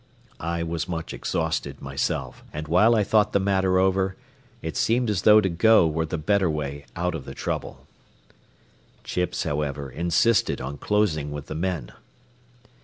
I was much exhausted, myself, and while I thought the matter over, it seemed as though to go were the better way out of the trouble. Chips, however, insisted on closing with the men.